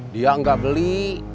dia enggak beli